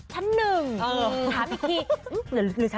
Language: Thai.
แต่ก็ซอยอยู่นะ